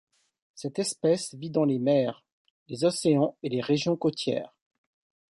Cette espèce vit dans les mers, les océans et les régions côtières.